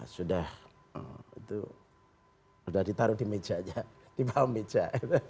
sudah ditaruh di bawah meja